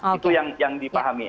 itu yang dipahami